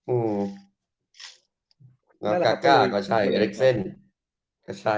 อืมกาก่าก็ใช่เอร็กเซ็นก็ใช่